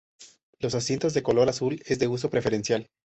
Los asientos de color azul es de uso preferencial.